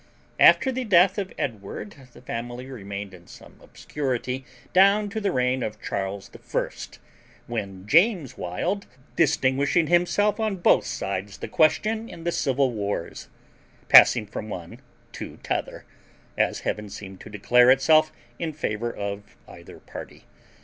After the death of Edward the family remained in some obscurity down to the reign of Charles the first, when James Wild distinguished himself on both sides the question in the civil wars, passing from one to t'other, as Heaven seemed to declare itself in favour of either party.